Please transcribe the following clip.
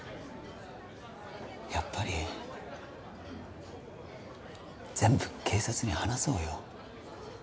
やっぱり全部警察に話そうよ